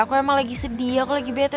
aku emang lagi sedih aku lagi bete